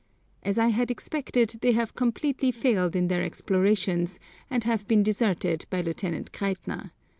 As I expected, they have completely failed in their explorations, and have been deserted by Lieutenant Kreitner.